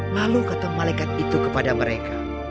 lalu kata malaikat itu kepada mereka